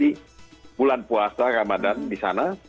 di bulan puasa ramadan di sana